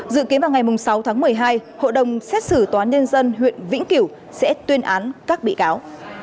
dự kiến vào ngày sáu tháng một mươi hai hội đồng xét xử tòa án nhân dân huyện vĩnh kiểu sẽ tuyên án các bị cáo